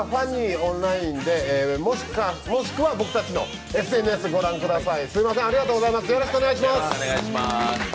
オンラインでもしくは僕たちのＳＮＳを御覧ください。